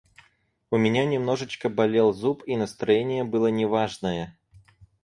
У меня немножечко болел зуб и настроение было неважное.